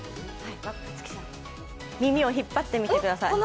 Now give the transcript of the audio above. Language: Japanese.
若槻さん、耳を引っ張ってみてください。